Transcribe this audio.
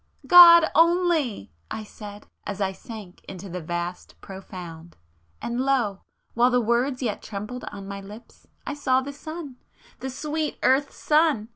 "God only!" I said, as I sank into the vast profound,—and lo! while the words yet trembled on my lips, I saw the sun! The sweet earth's sun!